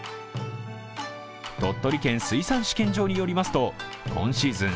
鳥取県水産試験場によりますと今シーズン